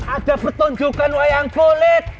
ada pertunjukan wayang kulit